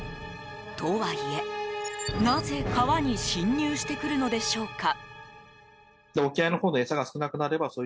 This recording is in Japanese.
とはいえ、なぜ川に侵入してくるのでしょうか。